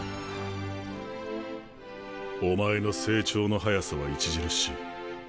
お前の成長の速さは著しい。